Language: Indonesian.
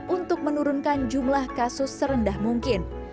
untuk menurunkan jumlah kasus serendah mungkin